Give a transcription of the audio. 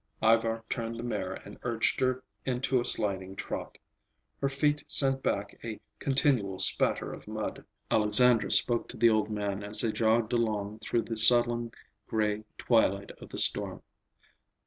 Ivar turned the mare and urged her into a sliding trot. Her feet sent back a continual spatter of mud. Alexandra spoke to the old man as they jogged along through the sullen gray twilight of the storm.